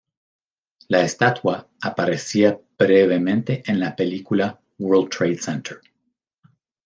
La estatua aparecía brevemente en la película World Trade Center.